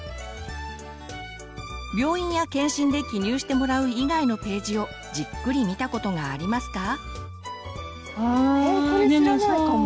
病院や健診で記入してもらう以外のページをじっくり見たことがありますか？